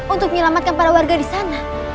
untuk menyelamatkan para warga disana